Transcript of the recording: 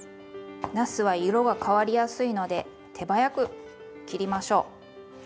なすは色が変わりやすいので手早く切りましょう。